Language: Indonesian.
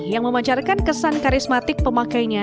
yang memancarkan kesan karismatik pemakainya